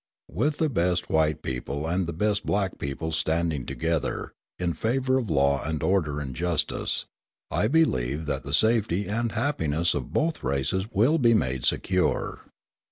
With the best white people and the best black people standing together, in favour of law and order and justice, I believe that the safety and happiness of both races will be made secure.